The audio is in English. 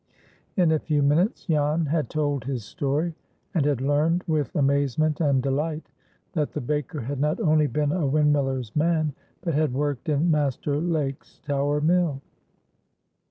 In a few minutes Jan had told his story, and had learned, with amazement and delight, that the baker had not only been a windmiller's man, but had worked in Master Lake's tower mill.